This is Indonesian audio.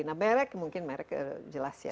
nah merek mungkin merek jelas ya